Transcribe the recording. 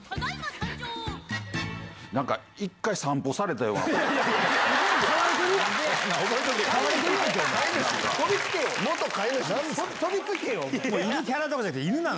なんか一回、散歩されたような。